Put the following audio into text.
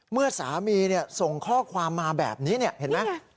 เมื่อสามีเนี่ยส่งข้อความมาแบบนี้เนี่ยเห็นไหม